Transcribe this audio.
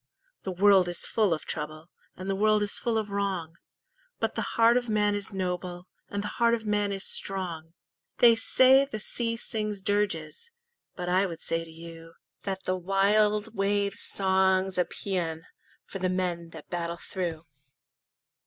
The world is full of trouble, And the world is full of wrong, But the heart of man is noble, And the heart of man is strong! They say the sea sings dirges, But I would say to you That the wild wave's song's a paean For the men that battle through.